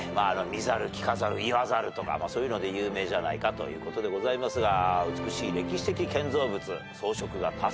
見ざる聞かざる言わざるとかそういうので有名じゃないかということでございますが。